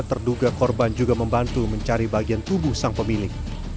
terduga korban juga membantu mencari bagian tubuh sang pemilik